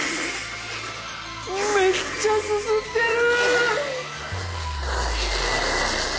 めっちゃすすってる！